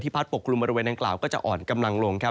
พัดปกกลุ่มบริเวณดังกล่าวก็จะอ่อนกำลังลง